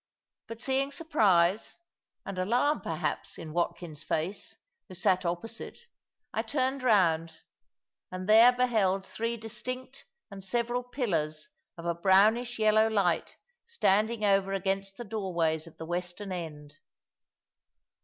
But seeing surprise, and alarm perhaps, in Watkin's face, who sate opposite, I turned round, and there beheld three distinct and several pillars of a brownish yellow light standing over against the doorways of the western end.